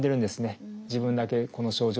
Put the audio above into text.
「自分だけこの症状。